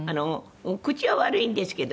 口は悪いんですけどね。